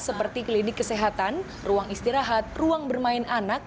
seperti klinik kesehatan ruang istirahat ruang bermain anak